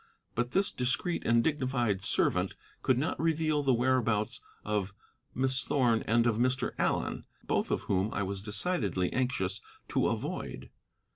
But this discreet and dignified servant could not reveal the whereabouts of Miss Thorn and of Mr. Allen, both of whom I was decidedly anxious to avoid.